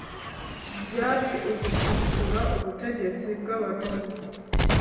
byari ugusuzugura ubutegetsi bw’abaroma